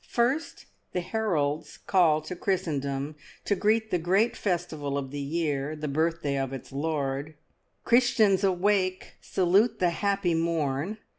First, the heralds' call to Christendom to greet the great festival of the year, the birthday of its Lord: "Christians, awake! Salute the happy morn."